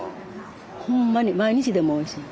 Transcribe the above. ほんまに毎日でもおいしい。